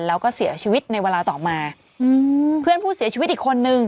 แล้วก็เสียชีวิตในเวลาต่อมาอืมเพื่อนผู้เสียชีวิตอีกคนนึง